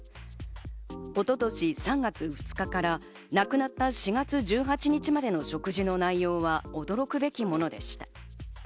一昨年３月２日から亡くなった４月１８日までの食事の内容は驚くべきものでした。